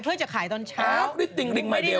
เพื่อจะขายตอนเช้าไม่ได้ล็อกอะไรเลยครับนี่ติ๊งริงไม่เดียว